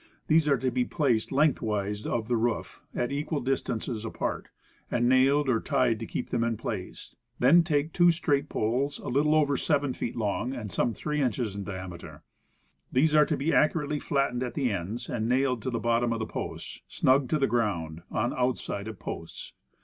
These are to be placed lengthwise of the roof at equal distances apart, and nailed or tied to keep them in place. Then take two straight poles a little over 7 feet long, and some 3 inches in diameter. These are to be accurately flattened at the ends, and Construction. 33 nailed to the bottom of the posts, snug to the ground, on outside of posts.